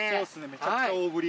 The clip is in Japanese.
めちゃくちゃ大ぶり。